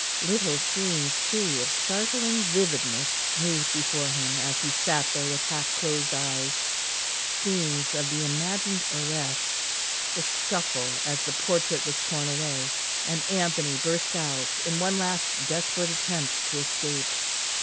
Little scenes, too, of startling vividness moved before him, as he sat there with half closed eyes scenes of the imagined arrest the scuffle as the portrait was torn away and Anthony burst out in one last desperate attempt to escape.